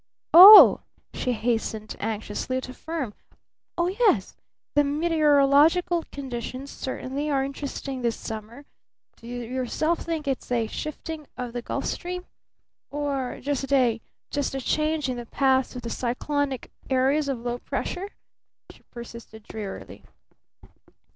Oh!" she hastened anxiously to affirm. "Oh, yes! The meteorological conditions certainly are interesting this summer. Do you yourself think that it's a shifting of the Gulf Stream? Or just a just a change in the paths of the cyclonic areas of low pressure?" she persisted drearily.